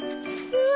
うわ！